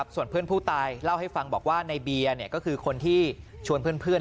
ส่วนเพื่อนผู้ตายเล่าให้ฟังบอกว่าในเบียร์ก็คือคนที่ชวนเพื่อน